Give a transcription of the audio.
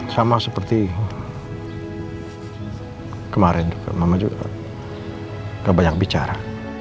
sama seperti kemarin mama juga nggak banyak bicara